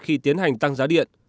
khi tiến hành tăng giá điện